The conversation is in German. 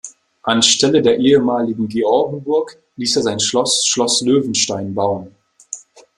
An Stelle der ehemaligen Georgenburg ließ er sein Schloss Schloss Löwenstein bauen.